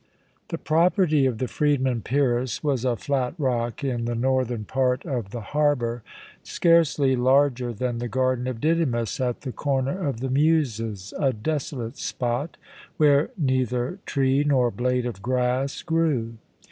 The property of the freedman Pyrrhus was a flat rock in the northern part of the harbour, scarcely larger than the garden of Didymus at the Corner of the Muses, a desolate spot where neither tree nor blade of grass grew.